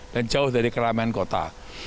dan jauh dari keramaian kota